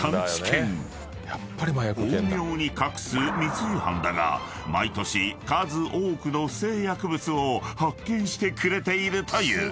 ［巧妙に隠す密輸犯だが毎年数多くの不正薬物を発見してくれているという］